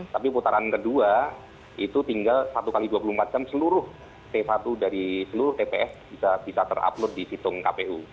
tapi putaran kedua itu tinggal satu x dua puluh empat jam seluruh t satu dari seluruh tps bisa terupload di situng kpu